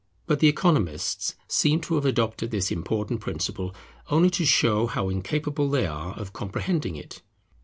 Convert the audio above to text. But the Economists seem to have adopted this important principle only to show how incapable they are of comprehending it.